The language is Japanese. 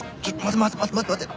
待て待て待って待って。